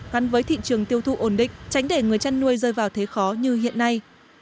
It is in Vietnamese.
gắn với thị trường tiêu thụ ổn định tránh để người chăn nuôi rơi vào thế khó như hiện nay